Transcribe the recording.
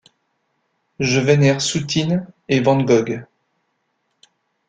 Je vénère Soutine et Van Gogh.